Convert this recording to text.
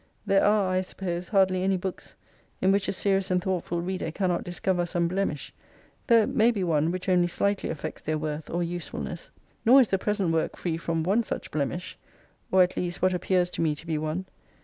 There are, I suppose, hardly any books in which a serious and thoughtful reader cannot discover some blemish, though it may be one which only slightly affects their worth or usefulness. Nor is the present work free from one such blemish : or at least what appears to me to be one.